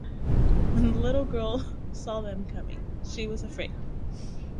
When the little girl saw them coming she was afraid.